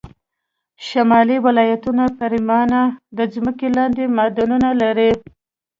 شمالي ولایتونه پرېمانه د ځمکې لاندې معدنونه لري